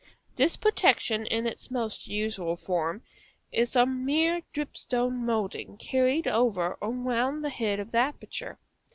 This protection, in its most usual form, is a mere dripstone moulding carried over or round the head of the aperture.